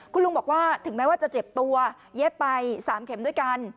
คุณลุงบอกว่าถึงแม้ว่าจะเจ็บตัวเย็บไป๓เข็มด้วยกัน